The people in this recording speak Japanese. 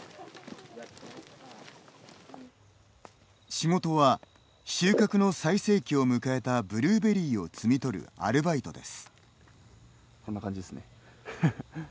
仕事は、収穫の最盛期を迎えたブルーベリーを摘み取るアルバイトです。